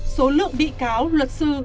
số lượng bi cáo luật sư